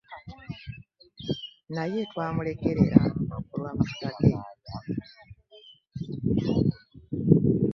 Naye twamulekerera olw'amafuta ge.